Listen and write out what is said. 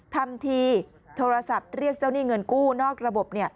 ทำทีโทรศัพท์เรียกเจ้าหนี้เงินกู้นอกระบบ